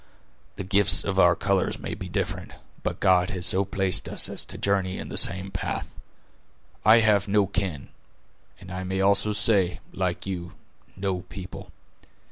The gifts of our colors may be different, but God has so placed us as to journey in the same path. I have no kin, and I may also say, like you, no people.